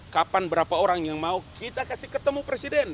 kapan berapa orang yang mau kita kasih ketemu presiden